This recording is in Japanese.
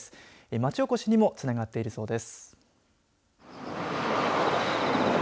町おこしにもつながっているそうです。